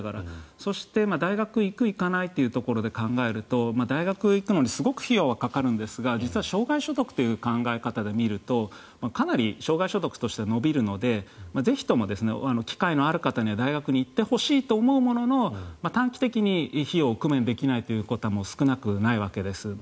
そして大学行く、行かないというところで考えると大学行くのにすごく費用がかかるんですが実は生涯所得という考え方で見るとかなり生涯所得として伸びるのでぜひとも機会のある方には大学に行ってほしいと思うものの短期的に費用を工面できないという方も少なくないわけです。